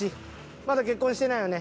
まだ結婚してないよね？